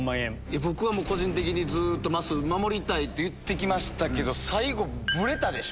僕はもう、個人的にずっとまっすー、守りたいって言ってきましたけど、最後、ぶれたでしょ。